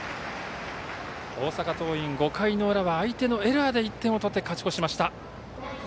大阪桐蔭、５回の裏は相手のエラーで１点を取って勝ち越しました。